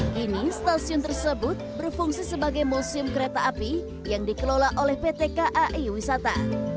kini stasiun tersebut berfungsi sebagai museum kereta api yang dikelola oleh pt kai wisata